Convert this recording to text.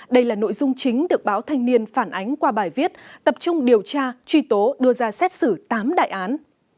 đây là nội dung chính được báo thanh niên phản ánh qua bài viết tập trung điều tra truy tố đưa ra xét xử tám đại án